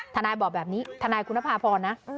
ทนายบอกแบบนี้ทนายคุณภาพรนะ